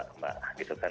ya mbak gitu kan